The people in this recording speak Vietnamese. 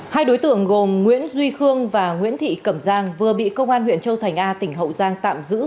hai đối tượng gồm nguyễn duy khương và nguyễn thị cẩm giang vừa bị công an huyện châu thành a tỉnh hậu giang tạm giữ